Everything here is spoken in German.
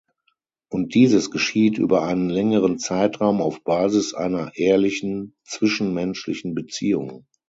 Und dieses geschieht über einen längeren Zeitraum auf Basis einer ehrlichen zwischenmenschlichen Beziehung.